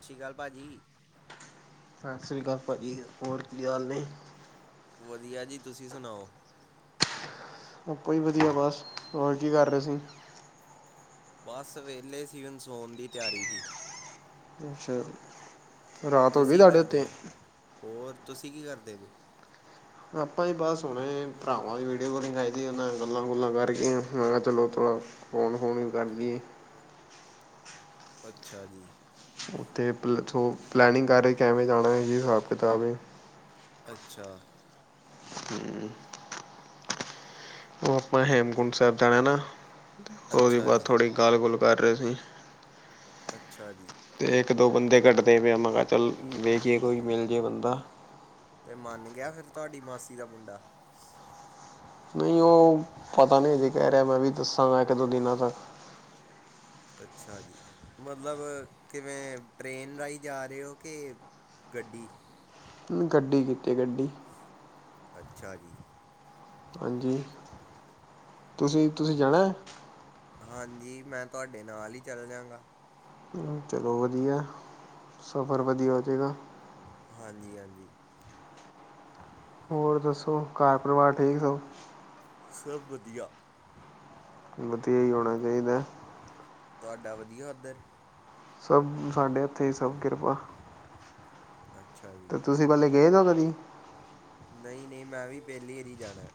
ਸਤਿ੍ਰੀ ਅਕਾਲ ਭਾਅ ਜੀ। ਸਤਿ ਸ੍ਰੀ ਅਕਾਲ ਭਾਜੀ, ਹੋਰ ਕੀ ਹਾਲ ਨੇ? ਵਧੀਆ ਜੀ, ਤੁਸੀਂ ਸੁਣਾਓ? ਆਪਾਂ ਹੀ ਵਧੀਆ ਬਸ, ਹੋਰ ਕੀ ਕਰ ਰਹੇ ਸੀਂ? ਬਸ ਵਹਲੇ ਸੀ, ਉਨ ਸੋਨ ਦੀ ਤਿਆਰੀ ਸੀ। ਅੱਛਾ। ਰਾਤ ਹੋ ਗਈ ਤੁਸੀਂ ਤੁਹਾਡੇ ਉੱਥੇ। ਕਰਦੇ ਹੋ ਹੋਰ, ਤੁਸੀਂ ਕੀ ਕਰਦੇ ਜੇ? ਆਪਾਂ ਵੀ ਬਸ ਹਣੇ ਭਰਾਵਾਂ ਦੀ ਵੀਡੀਓ ਕਾਲਿੰਗ ਕਰਾਦੀ ਉਹਨਾਂ ਗੱਲਾਂ- ਗੁੱਲਾਂ ਕਰਕੇ ਮੈਂ ਕਿਹਾ ਚਲੋ ਚੋ ਫੋਨ- ਫੋਨ ਵੀ ਕਰਦੀਏ। ਅੱਛਾ ਜੀ। ਉੱਥੇ ਪਲ ਸੋ ਪਲੈਨਿੰਗ ਕਰ ਰਹੇ ਕਿਵੇਂ ਜਾਣਾ, ਇਹ ਹਿਸਾਬ- ਕਿਤਾਬ ਹੈ। ਅੱਛਾ। ਹੂ ਉਹ ਆਪਾਂ ਹੇਮਕੁੰਟ ਸਾਹਿਬ ਜਾਣਾ ਨਾ, ਅਤੇ ਉਹਦੇ ਅੱਛਾ ਬਾਅਦ ਜੀ ਥੋੜ੍ਹੀ ਗੱਲ -ਗੁਲ ਕਰ ਰਹੇ ਸੀ। ਅੱਛਾ ਜੀ। ਅਤੇ ਇੱਕ- ਦੋ ਬੰਦੇ ਕੱਢਦੇ ਪਏ, ਮੈਂ ਕਿਹਾ, ਚੱਲ ਵੇਖਏ ਕੋਈ ਮਿਲ ਜੇ ਬੰਦਾ। ਤੇ ਮੰਨ ਗਿਆ ਫਿਰ ਤੁਹਾਡੀ ਮਾਸੀ ਦਾ ਮੁੰਡਾ। ਨਹੀਂ ਉਹ, ਪਤਾ ਨਹੀਂ ਅਜੇ ਕਹਿ ਰਿਹਾ, ਮੈਂ ਵੀ ਦੱਸਾਂਗਾ ਇੱਕ- ਦੋ ਦਿਨਾਂ ਤੱਕ। ਅੱਛਾ ਜੀ। ਮਤਲਬ ਕਿਵੇਂ, ਟ੍ਰੇਨ ਰਾਹੀਂ ਜਾ ਰਹੇ ਹੋ ਕਿ ਗੱਡੀ। ਗੱਡੀ ਕੀਤੀ ਗੱਡੀ। ਅੱਛਾ ਜੀ। ਹਾਂਜੀ। ਤੁਸੀਂ ਤੁਸੀਂ ਜਾਣਾ ਹੈ। ਹਾਂਜੀ, ਮੈਂ ਤੁਹਾਡੇ ਨਾਲ ਹੀ ਚੱਲ ਜਾਗਾ। ਚਲੋ ਵਧੀਆ, ਸਫ਼ਰ ਵਧੀਆ ਹੋ ਜਾਵੇਗਾ। ਹਾਂਜੀ -ਹਾਂਜੀ। ਹੋਰ ਦੱਸੋ, ਘਰ ਪਰਿਵਾਰ ਠੀਕ ਹੋ? ਸਭ ਵਧੀਆ। ਵਧੀਆ ਹੀ ਹੋਣਾ ਚਾਹੀਦਾ। ਤੁਹਾਡਾ ਵਧੀਆ ਉੱਧਰ। ਸਭ ਸਾਡੇ ਇੱਥੇ ਸਭ ਕਿਰਪਾ। ਅੱਛਾ ਜੀ। ਅਤੇ ਤੁਸੀਂ ਪਹਿਲੇ ਗਏ ਦਿ ਕਦੀ। ਨਹੀਂ- ਨਹੀਂ ਮੈਂ ਵੀ ਪਹਿਲੀ ਹ ਹੀ ਵਾਰੀ ਜਾਣਾ।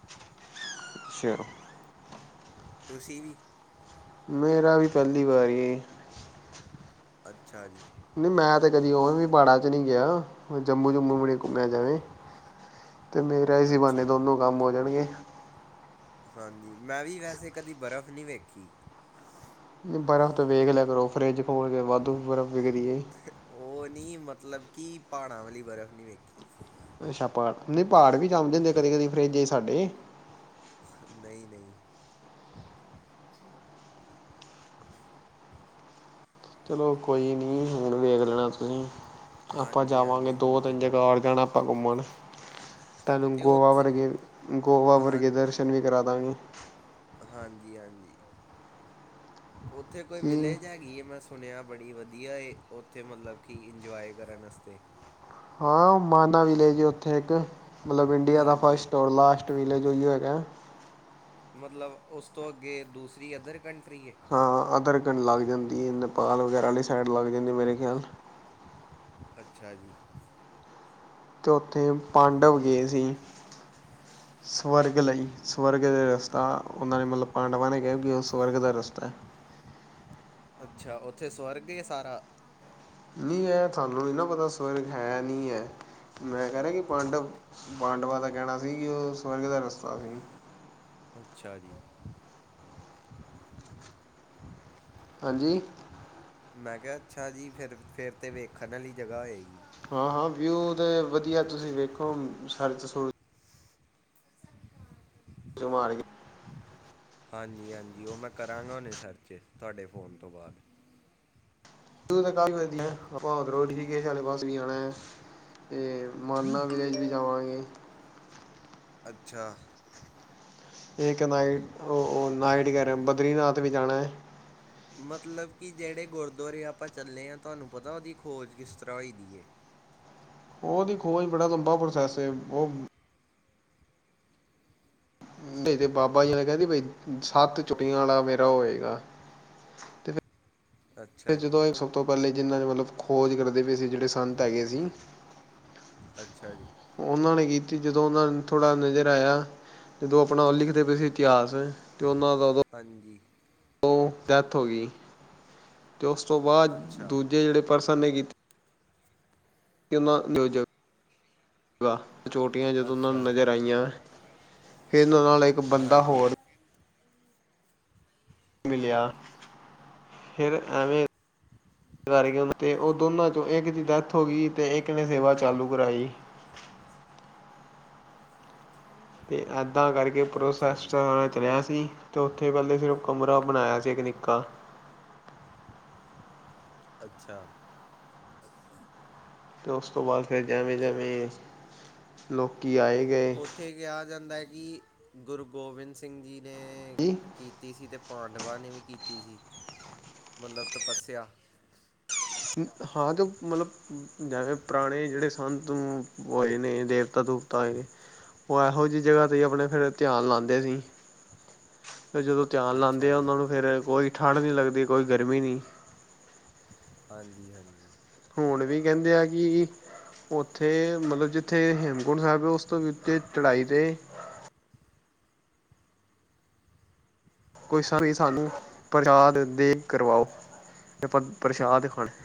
ਚਲੋ। ਤੁਸੀ ਵੀ। ਮੇਰਾ ਵੀ ਪਹਿਲੀ ਵਾਰੀ। ਅੱਛਾ ਜੀ। ਨਹੀਂ ਮੈਂ ਤੇ ਕਦੀ ਉਹਵੇ ਵੀ ਪਾੜਾ ਚ' ਨਹੀਂ ਗਿਆ। ਜੰਮੂ- ਜੁੰਮੂ ਬਣੇ ਘੁੰਮਿਆ ਜਾਵੇ। ਅਤੇ ਮੇਰਾ ਹੀ ਬਹਾਨੇ ਅੱਛਾ ਦੋਨੋਂ ਕੰਮ ਹੋ ਜਾਣਗੇ। ਹਾਂਜੀ। ਮੈਂ ਵੀ ਵੈਸੇ ਕਦੀ ਬਰਫ਼ ਨਹੀਂ ਵੇਖੀ। ਬਰਫ਼ ਤੇ ਵੇਖ ਲਿਆ ਕਰੋ, ਫਰਿਜ ਖੋਲ ਕੇ ਵਾਧੂ ਬਰਫ਼ ਵਿਖਦੀ ਹੈ। ਉ ਨੀ ਮਤਲਬ ਕਿ ਪਹਾੜਾਂ ਵਾਲੀ ਬਰਫ਼ ਨਹੀਂ ਵੇਖੀ। ਅੱਛਾ, ਨੀ ਪਹਾੜ ਵੀ ਜੰਮ ਜਾਂਦੇ ਕਦੇ-ਕਦੇ ਫਰਿੱਜ ਚ ਸਾਡੇ। ਨਹੀਂ-ਨਹੀਂ। ਚਲੋ, ਕੋਈ ਨੀ ਹੁਣ ਵੇਖ ਲੈਣਾ ਤੁਸੀਂ। ਆਪਾਂ ਹਾਂਜੀ ਜਾਵਾਂਗੇ ਹਾਂਜੀ ਹੁਣ ਤੇ ਦੋ-ਤਿੰਨ ਜਗ੍ਹਾ ਜਾਵਾਂ ਹੋਰ ਜਾਣਾ ਆਪਾਂ ਘੁੰਮਣ। ਤੁਹਾਨੂੰ ਤੇ ਗੋਵਾ ਉੱਥੇ ਵਰਗੇ ਗੋਆ ਹਾਂ ਵਰਗੇ ਦਰਸ਼ਨ ਵੀ ਕਰਾ ਦਾਗੇ। ਹਾਂਜੀ-ਹਾਂਜੀ, ਉੱਥੇ ਕੋਈ ਕੀ ਵਿਲੇਜ ਹੈਗੀ ਹੈ ਮੈਂ ਸੁਣਿਆ ਬੜੀ ਵਧੀਆ ਏ ਉੱਥੇ ਮਤਲਬ ਕਿ ਇੰਜੋਏ ਕਰਨ ਵਸਤੇ। ਹਾਂ, ਮਾਨਾ ਵੀਲੈਜ ਏ ਉੱਥੇ ਇੱਕ, ਮਤਲਬ ਇੰਡੀਆ ਦਾ ਹਾਂਜੀ ਫਸਟ ਔਰ ਲਾਸਟ ਵਿਲੇਜ ਉਹੀਓ ਹੈਗਾ। ਮਤਲਬ ਉਸ ਤੋਂ ਅੱਗੇ ਦੂਸਰੀ ਅਧਰ ਕੰਟਰੀ ਹੈ। ਹ ਅਦਰ ਲੱਗ ਜਾਂਦੀ ਏ ਨੇਪਾਲ ਵਗੈਰਾ ਵਾਲੀ ਸਾਈਡ ਲੱਗ ਜਾਂਦੀ ਮੇਰੇ ਖਿਆਲ। ਅੱਛਾ ਜੀ। ਤੇ ਉੱਥੇ ਪਾਂਡਵ ਗਏ ਸੀ। ਸਵਰਗ ਲਈ, ਸਵਰਗ ਦੇ ਰਸਤਾ ਉਹਨਾਂ ਨੇ ਮਤਲਬ ਪਾਂਡਵਾਂ ਨੇ ਕਿਹਾ ਕਿ ਉਹ ਸਵਰਗ ਦਾ ਰਸਤਾ ਹੈ। ਅੱਛਾ, ਉੱਥੇ ਸਵਰਗ ਹੀ ਸਾਰਾ ਨੀ ਹੈ ਸਾਨੂੰ ਨੀ ਨਾ ਪਤਾ ਸਵਰਗ ਹੈ, ਨੀ ਹੈ ਮੈਂ ਕਹਿ ਰਿਹਾ ਕਿ ਪਾਂਡਵ ਪਾਡਵਾ ਦਾ ਕਹਿਣਾ ਸੀ ਕਿ ਉ ਸਵਰਗ ਦਾ ਰਸਤਾ ਸੀ। ਅੱਛਾ ਜੀ। ਹਾਂਜੀ। ਮੈਂ ਕਿਹਾ ਅੱਛਾ ਜੀ, ਫਿਰ-ਫਿਰ ਤਾਂ ਵੇਖਣ ਵਾਲੀ ਜਗ੍ਹਾ ਹੋਏਗੀ। ਹਾਂ-ਹਾਂ, ਵਿਊ ਤੇ ਵਧੀਆ ਤੁਸੀਂ ਵੇਖੋ ਸਰਚ-ਸੁਰਚ ਜਮਾਰ ਹੀ ਹਾਂਜੀ-ਹਾਂਜੀ ਉ ਮੈਂ ਕਰਾਂਗਾ ਉਨੇ ਸਰਚ ਤੁਹਾਡੇ ਫ਼ੋਨ ਤੋਂ ਬਾਅਦ। ਤੂ ਤਾ ਕੱਲ ਵੂਖਨਾ ਏ ਆਪਾ ਉਦਰੋ ਰਿਸ਼ੀਕੇਸ਼ ਵਾਲੇ ਪਾਸੇ ਵੀ ਆਣਾ। ਤੇ ਮਾਨਾ ਵਿਲੇਜ ਵੀ ਜਾਵਾਂਗੇ। ਅੱਛਾ। ਤੇ ਇੱਕ ਨਾਈਟ ਉ ਨਾਈਟ ਕਹਿ ਰਿਹਾ ਬਦਰੀਨਾਥ ਵੀ ਜਾਣਾ ਹੈ। ਮਤਲਬ ਕਿ ਜਿਹੜੇ ਗੁਰਦੁਆਰੇ ਆਪਾਂ ਚੱਲੇ ਆ, ਤੁਹਾਨੂੰ ਪਤਾ ਉਹਦੀ ਖੋਜ ਕਿਸ ਤਰ੍ਹਾਂ ਹੋਈ ਦੀ ਹੈ? ਉਹਦੀ ਖੋਜ ਬੜਾ ਲੰਬਾ ਪ੍ਰੋਸੈਸ ਹੈ ਉ ਨਹੀਂ ਤੇ ਬਾਬਾ ਜੀ ਨੇ ਕਹਿੰਦੀ ਬਈ, ਸੱਤ ਛਕਟੀਆਂ ਵਾਲਾ ਮੇਰਾ ਹੋਏਗਾ। ਤੇ ਅੱਛਾ ਜੀ ਜਦੋਂ ਇਹ ਸਭ ਤੋ ਪਹਿਲੇ, ਜਿਹਨਾਂ ਨੇਂ ਮਤਲਬ ਖੋਜ ਕਰਦੇ ਪਏ ਸੀ ਜਿਹੜੇ ਸੰਤ ਹੈਗੇ ਸੀ। ਅੱਛਾ ਜੀ ਉਹਨਾਂ ਨੇ ਕੀਤੀ, ਜਦੋਂ ਉਹਨਾਂ ਨੂੰ ਥੋੜਾ ਨਜਰ ਆਇਆ। ਜਦੋਂ ਆਪਣਾ ਲਿਖਦੇ ਪਏ ਸੀ ਇਤਿਹਾਸ, ਤੇ ਉਹਨਾਂ ਦਾ ਉਹਦੋ ਹਾਂਜੀ! ਉਹ ਡੈਥ ਹੋ ਗਈ ਤੋ ਉਸ ਤੋ ਬਾਅਦ, ਅੱਛਾ ਦੂਜੇ ਜਿਹੜੇ ਪਰਸਨ ਨੇਂ ਕੀਤੀ। ਤੇ ਨਾ-ਨਾ ਜਗਾ [unintelligible] ਚੋਟੀਆਂ ਜਦੋਂ ਉਨਾਂ ਨੂੰ ਅੱਛਾ ਨਜ਼ਰ ਆਈਆਂ ਫਿਰ ਉਨਾਂ ਨਾਲ ਇੱਕ ਬੰਦਾ ਹਾਂਜੀ ਹੋਰ ਮਿਲਿਆ, ਫਿਰ ਐਵੇਂ ਕਰਕੇ ਉਨ ਤੇ, ਓਹ ਦੋਨਾਂ ਚੋਂ ਇੱਕ ਦੀ ਡੈਥ ਹੋ ਗਈ ਤੇ ਇੱਕ ਨੇ ਸੇਵਾ ਚਾਲੂ ਕਰਾਈ। ਤੇ ਇੱਹਦਾਂ ਕਰਕੇ ਅੱਛਾ ਪ੍ਰੋਸੈਸ ਜੀ ਇਹਨਾਂ ਦਾ ਚਲਿਆ ਸੀ। ਤੇ ਉੱਥੇ ਪਹਿਲੇ ਸਿਰਫ ਕਮਰਾ ਬਣਾਇਆ ਸੀ ਇੱਕ ਨਿੱਕਾ। ਅੱਛਾ! ਤੇ ਉਸ ਤੋਂ ਬਾਅਦ ਫਿਰ ਜੈਵੇਂ-ਜੈਵੇਂ ਲੋਕੀ ਆਏ ਗਏ। ਉੱਥੇ ਕਿਹਾ ਜਾਂਦਾ ਏ। ਕਿ ਗੁਰੂ ਗੋਬਿੰਦ ਸਿੰਘ ਜੀ ਨੇਂ ਜੀ ਕੀਤੀ ਸੀ। ਤੇ ਪਾਂਡਵਾਂ ਨੇ ਵੀ ਕੀਤ ਤੀ ਸੀ, ਮਤਲਬ ਤਪੱਸਿਆ। ਹਾਂ ਤੇ ਮਤਲਬ ਜਿਵੇਂ ਪੁਰਾਣੇ ਜਿਹੜੇ ਸੰਤ ਹੋਏ ਨੇਂ। ਦੇਵਤਾ ਦੂਵਤਾ ਹੋਏ। ਉਹ ਇਹੋ ਜਿਹੀ ਜਗਾਹ ਤੇ ਹੀ ਆਪਣੇ ਫੇਰ, ਧਿਆਨ ਲਾਉਂਦੇ ਸੀ। ਫੇਰ ਜਦੋ ਧਿਆਨ ਲਾਂਦੇ ਅੱਛਾ ਆ ਜੀ ਉਹਨਾਂ ਨੂੰ ਫੇਰ ਕੋਈ ਠੰਡ ਨੀ ਲੱਗਦੀ। ਕੋਈ ਗਰਮੀ ਨਹੀਂ। ਹਾਂਜੀ-ਹਾਂਜੀ। ਹੁਣ ਵੀ ਕਹਿੰਦੇ ਏਂ ਕੀ ਉੱਥੇ, ਮਤਲਬ ਜਿੱਥੇ ਹੇਮਕੁੰਟ ਸਾਹਬ ਹੈਂ। ਉਸ ਤੋ ਵੀ ਉੱਤੇ, ਚੜਾਈ ਤੇ। ਕੋਈ ਸਾ ਨੀ ਸਾਨੂੰ ਪ੍ਰਸ਼ਾਦ ਦੇਗ ਕਰਵਾਓ। ਤੇ ਆਪਾ ਪ੍ਰਸ਼ਾਦ ਖਾਣਾ ਏ।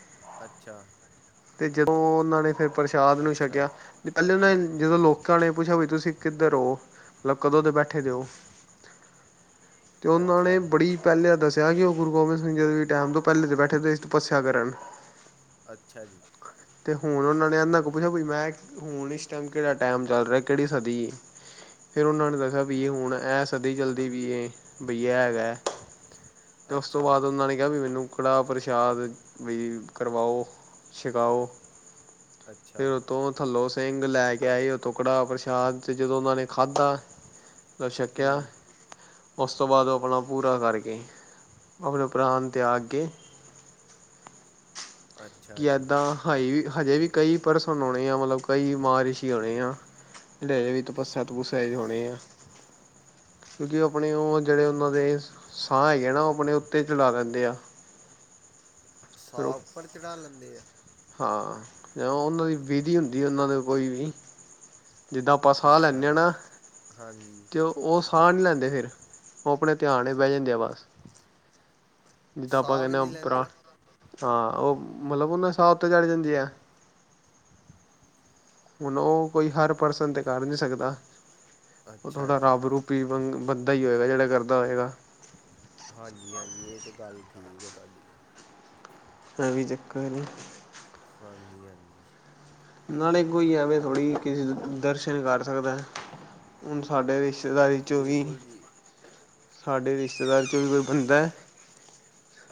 ਅੱਛਾ। ਤੇ ਜਦੋਂ ਉਹਨਾਂ ਨੇ ਫੇਰ ਪ੍ਰਸ਼ਾਦ ਨੂੰ ਅੱਛਾ ਛਕਿਆ। ਨਹੀਂ ਪਹਿਲੇ ਉਹਨਾਂ ਨੇ ਜਦੋਂ ਲੋਕਾਂ ਨੇ ਪੁੱਛਿਆ। ਬਈ ਤੁਸੀ ਕਿੱਧਰ ਹੋ? ਮਤਲਬ ਕਦੋਂ ਦੇ ਬੈਠੇ ਦੇ ਹੋ? ਤੇ ਉਹਨਾਂ ਅੱਛਾ ਨੇ ਬੜੀ ਪਹਿਲੇ ਤਾ ਦੱਸਿਆ ਕਿ ਉਹ ਗੁਰੂ ਗੋਬਿੰਦ ਸਿੰਘ ਜੀ ਦੇ ਵੀ ਟਾਈਮ ਤੋਂ ਪਹਿਲੇ ਦੇ ਬੈਠੇ ਦੇ ਸੀ। ਤਪੱਸਿਆ ਕਰਨ। ਅੱਛਾ ਜੀ। ਤੇ ਹੁਣ ਉਹਨਾਂ ਨੇ ਇਹਨਾਂ ਕੁ ਪੁੱਛਿਆ। ਬਈ ਮੈਂ ਕੀ ਹੁਣ ਇਸ ਟਾਈਮ ਕਿਹੜਾ ਟਾਈਮ ਚੱਲ ਰਿਹਾ? ਕਿਹੜੀ ਸਦੀ? ਫੇਰ ਉਹਨਾਂ ਨੇ ਦੱਸਿਆ, ਵੀ ਇਹ ਹੁਣ ਇਹ ਸ ਸਦੀ ਚਲਦੀ ਪਈ ਏ। ਬਈ ਇਹ ਹੈਗਾ ਏ। ਤੇ ਉਸ ਤੋਂ ਅੱਛਾ ਬਾਅਦ ਉਹਨਾਂ ਨੇ ਕਿਹਾ, ਵੀ ਮੈਨੂੰ ਕੜਾਹ ਪ੍ਰਸ਼ਾਦ ਬਈ ਕਰਵਾਓ। ਛਕਾਓ ਅੱਛਾ ਫੇਰ ਉਹ ਤੋਂ ਥੱਲੋ ਸਿੰਘ ਲੈ ਕੇ ਆਏ ਉਹ ਤੋ ਕੜਾਹ ਪ੍ਰਸ਼ਾਦ। ਤੇ ਜਦੋਂ ਉਹਨਾਂ ਨੇ ਖਾਧਾ। ਮਤਲਬ ਛਕਿਆ। ਹੂੰ ਉਸ ਤੋਂ ਬਾਅਦ ਉਹ ਆਪਨਾ ਪੂਰਾ ਕਰ ਗਏ। ਆਪਣੇ ਪ੍ਰਾਣ ਤਿਆਗ ਗਏ। ਅੱਛਾ ਕਿ ਜੀ ਇੱਹਦਾਂ ਹਜੇ ਵੀ। ਹਜੇ ਵੀ ਕਈ ਪਰਸਨ ਆਉਣੇ ਆ। ਮਤਲਬ ਕਈ ਮਹ ਰਿਸ਼ੀ ਹੋਉਣੇ ਆ। ਜਿਹੜੇ ਹਜੇ ਵੀ ਤਪੱਸਿਆ ਤਪੁੱਸਿਆ ਚ ਹੀ ਹੋਉਣੇ ਆ। ਕਿਉਂਕਿ ਉਹ ਆਪਣੇ, ਉਹ ਜਿਹੜੇ ਉਹਨਾਂ ਦੇ ਸਾਹ ਹੈਗੇ ਨਾ। ਉਹ ਆਪਣੇ ਉੱਤੇ ਚੜ੍ਹਾ ਲੈਂਦੇ ਆ। ਫਿਰ ਸਾਹ ਉਹ ਉੱਪਰ ਚੜ੍ਹਾ ਲੈਂਦੇ ਆ? ਹਾਂ। ਜਿਵੇਂ ਉਹਨਾਂ ਦੀ ਵਿਧੀ ਹੁੰਦੀ ਏ ਉਹਨਾਂ ਤੇ ਕੋਈ ਵੀ। ਜਿੱਦਾਂ ਆਪਾਂ ਸਾਹ ਅੱਛਾ ਲੈਨੇਂ ਹਾਂ ਜੀ ਨਾ। ਹਾਂਜੀ ਤੇ ਉਹ ਉਹ ਸਾਹ ਨਹੀਂ ਲੈਂਦੇ ਫੇਰ। ਉਹ ਆਪਣੇ ਧਿਆਨ ਵਿਚ ਬਹਿ ਜਾਂਦੇ ਆ ਬਸ। ਜਿੱਦਾਂ ਆਪਾਂ ਸਾਹ ਵੀ ਕਹਿੰਨੇਂ ਹਾਂ ਨਹੀਂ ਉਪਰਾਂ। ਲੈਂਦੇ ਹਾਂ ਉਹ ਮਤਲਬ ਉਹਨਾਂ ਦੀ ਸਾਹ ਉਤੇ ਚੜ ਜਾਂਦੀ ਏ। ਹੁਣ ਉਹ ਕੋਈ ਹਰ ਪਰਸਨ ਤੇ ਕਰ ਨਹੀਂ ਸਕਦਾ। ਉਹ ਅੱਛਾ ਥੋੜਾ ਜੀ ਰੱਬ ਰੂਪੀ ਹੀ ਬੰਦਾ ਹੀ ਹੋਏਗਾ ਜਿਹੜਾ ਕਰਦਾ ਹੋਏਗਾ। ਹਾਂਜੀ-ਹਾਂਜੀ ਇਹ ਤੇ ਗੱਲ ਠੀਕ ਹੈ ਤੁਹਾਡੀ। ਐ ਵੀ ਚੱਕਰ ਏ। ਹਾਂਜੀ-ਹਾਂਜੀ। ਨਾਲੇ ਕੋਈ ਐਂਵੇਂ ਥੋੜ੍ਹੀ ਕਿਸੇ ਦਰਸ਼ਨ ਕਰ ਸਕਦਾ। ਹੁਣ ਸਾਡੇ ਰਿਸ਼ਤੇਦਾਰੀ ਚੋਂ ਵੀ ਬਿਲਕੁਲ ਜੀ ਸਾਡੇ ਰਿਸ਼ਤੇਦਾਰੀ ਚੋਂ ਵੀ ਕੋਈ ਬੰਦਾ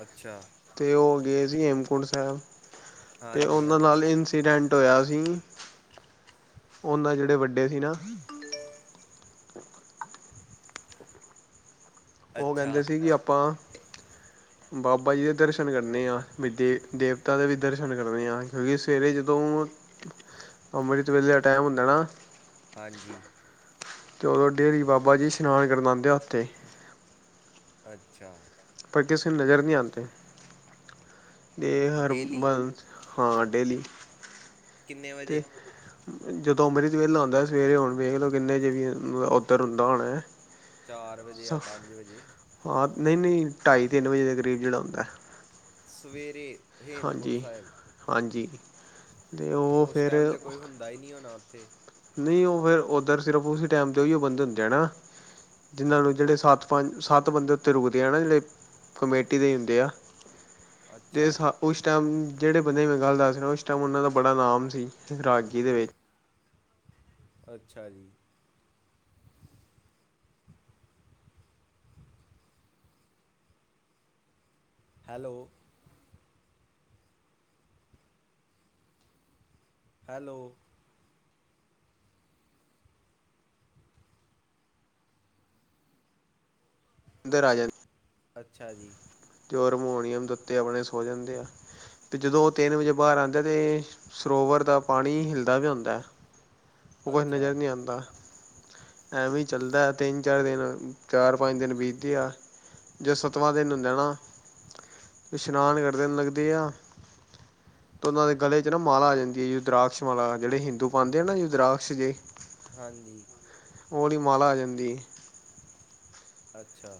ਅੱਛਾ। ਤੇ ਉਹ ਗਏ ਸੀ ਹੇਮਕੁੰਟ ਸਾਹਬ ਤੇ ਹਾਂਜੀ ਉਹਨਾਂ ਹਾਂਜੀ ਨਾਲ ਐਕਸੀਡੈਂਟ ਹੋਇਆ ਸੀ ਉਹਨਾਂ ਜਿਹੜੇ ਵੱਡੇ ਸੀ ਨਾ ਉਹ ਅੱਛਾ ਕਹਿੰਦੇ ਸੀ ਕਿ ਆਪਾਂ ਬਾਬਾ ਜੀ ਦੇ ਦਰਸ਼ਨ ਕਰਨੇ ਆ। ਵੀ ਦੇਵ-ਦੇਵਤਾ ਦੇ ਵੀ ਦਰਸ਼ਨ ਕਰਨੇ ਆ। ਕਿਉਂਕਿ ਸਵੇਰੇ ਜਦੋਂ ਅਮ੍ਰਿਤ ਵੇਲੇ ਦਾ ਟੈਂਮ ਹੁੰਦਾ ਨਾ। ਹਾਂਜੀ। ਤੇ ਉਦੋਂ, ਡੇਰੀ ਬਾਬਾ ਜੀ ਇਸ਼ਨਾਨ ਕਰਣ ਆਂਦੇ ਆ ਉੱਥੇ। ਅੱਛਾ। ਪਰ ਕਿਸੇ ਨੂੰ ਨਜ਼ਰ ਨੀ ਆਂਦੇ। ਏਹ ਹਰ ਡੇਲੀ ਵਾਰ, ਹਾਂ ਡੇਲੀ ਕਿੰਨੇ ਤੇ ਵਜੇ ਜਦੋਂ ਅੰਮ੍ਰਿਤ ਵੇਲਾ ਹੁੰਦਾ, ਸਵੇਰੇ ਹੋਣ ਵੇਖਲੋ ਕਿੰਨੇ ਵਜੇ ਉੱਧਰ ਹੁੰਦਾ ਹੋਣਾ ਏ। ਚਾਰ ਵਜੇ, ਜਾਂ ਪੰਜ ਵਜੇ। ਹਾਂ, ਨਹੀਂ-ਨਹੀਂ, ਢਾਈ-ਤਿੰਨ ਵਜੇ ਦੇ ਕਰੀਬ ਜਿਹੜਾ ਹੁੰਦਾ। ਸਵੇਰੇ ਹੇਮਕੁੰਟ ਸਾਹਿਬ ਹਾਂਜੀ-ਹਾਂਜੀ, ਦੇ ਉਹ ਫਿਰ ਤੈਅ ਈ ਨੀ ਹੋਣਾ ਉੱਥੇ। ਨਹੀਂ, ਉਹ ਫੇਰ ਉੱਧਰ ਸਿਰਫ ਉਸ ਟਾਈਮ ਤੇ ਉਹੀਓ ਬੰਦੇ ਹੁੰਦੇ ਐ ਨਾ। ਜਿਹਨ੍ਹਾਂ ਨੂੰ, ਜਿਹੜੇ ਸੱਤ-ਪੰਜ, ਸੱਤ ਬੰਦੇ ਉੱਥੇ ਰੁਕਦੇ ਆ ਨਾ ਜਿਹੜੇ ਕਮੇਟੀ ਦੇ ਈ ਹੁੰਦੇ ਆ। ਤੇ ਅੱਛਾ ਸਾ ਉਸ ਟਾਈਮ, ਜਿਹੜੇ ਬੰਦੇ ਦੀ ਮੈਂ ਗੱਲ ਦੱਸ ਰਿਹਾ। ਉਸ ਟਾਈਮ ਉਹਨਾਂ ਦਾ ਬੜਾ ਨਾਮ ਸੀ। ਇਸ ਰਾਗੀ ਦੇ ਵਿੱਚ ਅੱਛਾ ਜੀ। ਹੈਲੋ। ਹੈਲੋ। ਅੰਦਰ ਆ ਜਾਣ। ਅੱਛਾ ਜੀ। ਤੇ ਉਹ ਹਰਮੋਨੀਅਮ ਦੇ ਉੱਤੇ ਆਪਣੇ ਸੋ ਜਾਂਦੇ ਆ। ਤੇ ਜਦੋਂ ਉਹ ਤਿੰਨ ਵਜੇ ਬਾਹਰ ਆਂਦੇ ਤੇ, ਸਰੋਵਰ ਦਾ ਪਾਣੀ ਹਿੱਲਦਾ ਪਿਆ ਹੁੰਦਾ। ਉਹ ਕੁਛ ਅੱਛਾ ਨਜ਼ਰ ਨੀ ਆਂਦਾ ਐਵੇਂ ਈ ਚੱਲਦਾ। ਤਿੰਨ-ਚਾਰ ਦਿਨ, ਚਾਰ-ਪੰਜ ਦਿਨ ਬੀਤਦੇ ਆ ਜਦੋਂ ਸੱਤਵਾਂ ਦਿਨ ਹੁੰਦਾ ਏ ਨਾ। ਇਸ਼ਨਾਨ ਕਰਦੇ ਨ ਲਗਦੀ ਆ ਤੇ ਉਹਨਾਂ ਦੇ ਗਲੇ 'ਚ ਨਾ ਮਾਲਾ ਆ ਜਾਂਦੀ ਏ। ਰੁਦਰਾਕਸ਼ ਮਾਲਾ, ਜਿਹੜੇ ਹਿੰਦੂ ਪਾਂਦੇ ਆ ਨਾ, ਰੁਦਰਾਕਸ਼ ਜੇ। ਹਾਂਜੀ। ਉਹ ਆਲੀ ਮਾਲ਼ਾ ਆ ਜਾਂਦੀ ਏ। ਅੱਛਾ।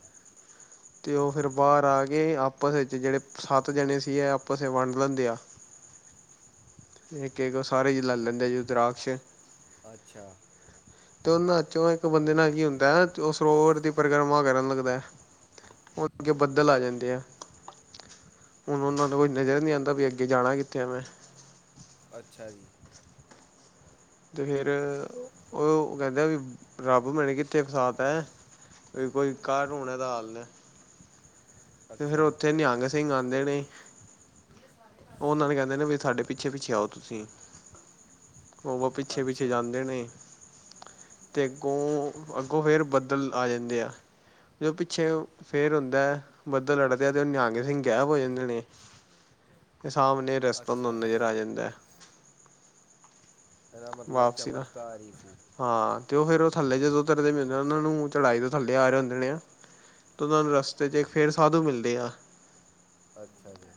ਤੇ ਉਹ ਫਿਰ ਬਾਹਰ ਆ ਕੇ ਆਪਸ ਵਿੱਚ ਜਿਹੜੇ ਸੱਤ ਜਣੇ ਸੀ, ਇਹ ਆਪਸ 'ਚ ਵੰਡ ਲੈਂਦੇ ਆ। ਇੱਕ-ਇੱਕ ਉਹ ਸਾਰੇ ਜਨੇ ਲੈ ਲੈਂਦੇ ਰੁਦਰਾਕਸ਼ ਅੱਛਾ। ਤੇ ਉਹਨਾਂ 'ਚੋਂ ਇੱਕ ਬੰਦੇ ਨਾ ਕੀ ਹੁੰਦਾ, ਉਹ ਸਰੋਵਰ ਦੀ ਪਰਿਕਰਮਾ ਕਰਨ ਲੱਗਦਾ ਐ ਉਹ ਅੱਗੇ ਬੱਦਲ ਆ ਜਾਂਦੇ ਆ। ਹੁਣ ਉਹਨਾਂ ਨੂੰ ਕੋਈ ਨਜ਼ਰ ਨੀ ਆਂਦਾ ਵੀ ਅੱਗੇ ਜਾਣਾ ਕਿੱਥੇ ਆ ਮੈਂ। ਅੱਛਾ ਜੀ। ਤੇ ਫੇਰ, ਉਹ ਕਹਿੰਦੇ ਵੀ ਰੱਬ ਮੈਨੇ ਕਿੱਥੇ ਫਸਾਤਾ। ਵੀ ਕੋਈ ਕਰ ਹੁਣ ਏਂਦਾ ਹੱਲ। ਤੇ ਫੇਰ ਅੱਛਾ ਉੱਥੇ ਨਿਹੰਗ ਸਿੰਘ ਆਂਦੇ ਨੇ ਉਹ ਉਹਨਾਂ ਨੇ ਕਹਿੰਦੇ ਨੇ ਵੀ, ਸਾਡੇ ਪਿੱਛੇ-ਪਿੱਛੇ ਆਓ ਤੁਸੀਂ। ਉਹ ਵਾ ਪਿੱਛੇ-ਪਿੱਛੇ ਅੱਛਾ ਜਾਂਦੇ ਨੇ ਅਤੇ ਅੱਗੋਂ- ਅੱਗੋਂ ਫਿਰ ਬੱਦਲ ਆ ਜਾਂਦੇ ਆ। ਜੋਂ ਪਿੱਛੇ ਫੇਰ ਹੁੰਦਾ, ਬੱਦਲ ਲੜਦੇ ਆ ਤੇ ਉਹ ਨਿਆਂਗੇ ਸਿੰਘ ਗੇਪ ਹੋ ਜਾਂਦੇ ਨੇ। ਸਾਹਮਣੇ ਰਸਤਾ ਦਾ ਅੱਛਾ ਨਜ਼ਰ ਆ ਜਾਂਦਾ। ਇਹਦਾ ਮਤਲਬ ਵਾਪਸੀ ਦਾ ਚਮਤਕਾਰ ਹੀ ਸੀ। ਹਾਂ। ਤੇ ਉਹ ਫੇਰ ਉਹ ਥੱਲੇ ਜਦੋਂ ਤਰ ਦੇ ਮਿਲਦੇ ਉਹਨਾਂ ਨੂੰ ਚੜਾਈ ਦੇ ਥੱਲੇ ਆ ਰਹੇ ਹੁੰਦੇ ਨੇ ਆ। ਅਤੇ ਉਹਨਾਂ ਨੂੰ ਰਸਤੇ 'ਚ ਇੱਕ ਫੇਰ ਸਾਧੂ ਮਿਲਦੇ ਆ। ਅੱਛਾ ਜੀ।